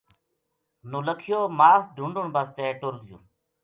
نولکھیو ماس ڈُھنڈن بسطے ٹر گیو